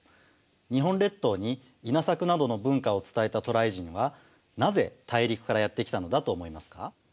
日本列島に稲作などの文化を伝えた渡来人はなぜ大陸からやって来たのだと思いますか？